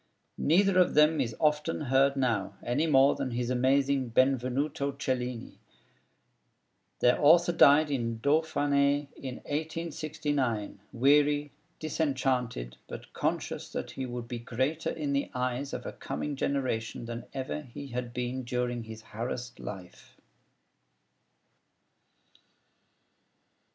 Neither of them is often heard now, any more than his amazing 'Benvenuto Cellini.' Their author died in Dauphiné in 1869, weary, disenchanted, but conscious that he would be greater in the eyes of a coming generation than ever he had been during his harassed life.